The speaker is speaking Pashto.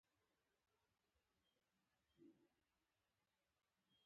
پیاله د یادونو صندوق ده.